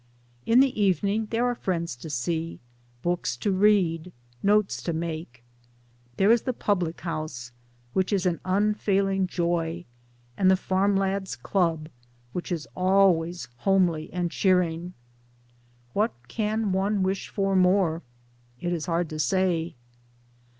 In the evening there are friends to see, books to read, notes to make ; there is the public house, which is an unfailing joy, and the farm lads' Club, which is always homely and cheering. What can one wish for more? It is hard to say.